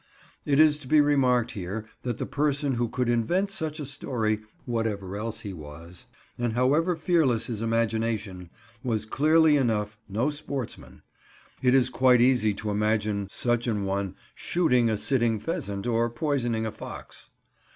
It is to be remarked here that the person who could invent such a story, whatever else he was, and however fearless his imagination, was, clearly enough, no sportsman. It is quite easy to imagine such an one shooting a sitting pheasant, or poisoning a fox.